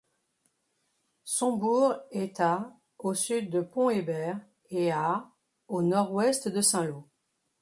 Son bourg est à au sud de Pont-Hébert et à au nord-ouest de Saint-Lô.